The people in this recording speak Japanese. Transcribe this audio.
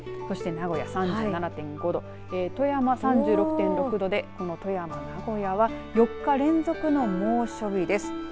そして名古屋３７．５度富山３６．６度で富山と名古屋は４日連続の猛暑日です。